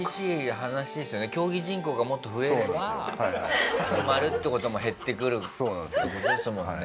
競技人口がもっと増えれば埋まるって事も減ってくるって事ですもんね。